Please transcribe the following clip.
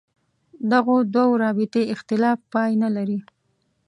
دغو دوو رابطې اختلاف پای نه لري.